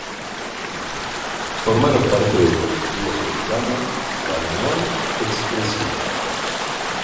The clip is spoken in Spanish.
Formaron parte del colectivo sevillano "La Unión Expresiva".